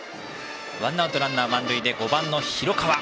ワンアウト、ランナー満塁で５番の広川。